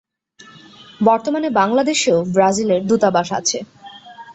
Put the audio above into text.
বর্তমানে বাংলাদেশেও ব্রাজিলের দূতাবাস আছে।